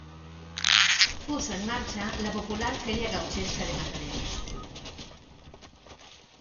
Puso en marcha la popular feria gauchesca de Mataderos.